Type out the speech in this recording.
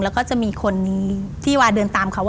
แล้วก็จะมีคนที่วาเดินตามเขา